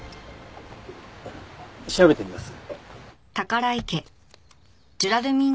調べてみます。